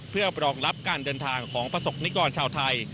เพื่อรองรับการเดินทางของประสบนิกรชาวไทย